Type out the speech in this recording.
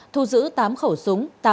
thu giữ tám khẩu súng